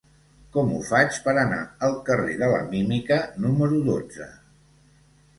Com ho faig per anar al carrer de la Mímica número dotze?